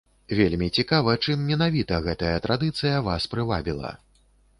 Вельмі цікава, чым менавіта гэтая традыцыя вас прывабіла?